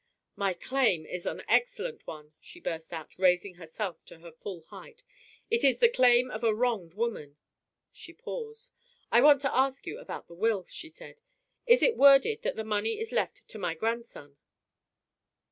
"My claim is an excellent one," she burst out, raising herself to her full height. "It is the claim of a wronged woman!" She paused. "I want to ask you about the will," she said. "Is it worded that the money is left 'to my grandson.'"